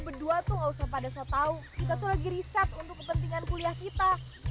berdua tuh nggak usah pada setau kita tuh lagi riset untuk kepentingan kuliah kita